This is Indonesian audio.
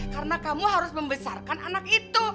karena kamu harus membesarkan anak itu